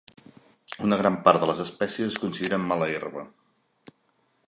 Una gran part de les espècies es consideren mala herba.